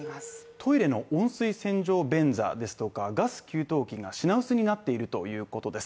トイレの温水洗浄便座ですとかガス給湯器が品薄になっているということです